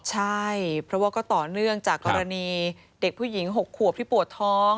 ใช่เพราะว่าก็ต่อเนื่องจากกรณีเด็กผู้หญิง๖ขวบที่ปวดท้อง